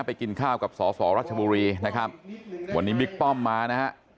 กินข้าวกับสอสอรัชบุรีนะครับวันนี้บิ๊กป้อมมานะฮะ